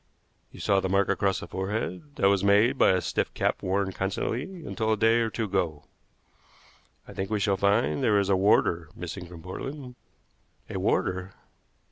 You saw the mark across the forehead. That was made by a stiff cap worn constantly until a day or two ago. I think we shall find there is a warder missing from Portland." "A warder!"